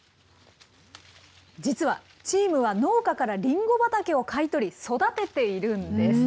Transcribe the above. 実は、チームは農家からリンゴ畑を買い取り、育てているんです。